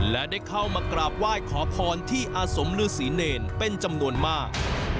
และได้เข้ามากราบไหว้ขอพรที่อาสมฤษีเนรเป็นจำนวนมาก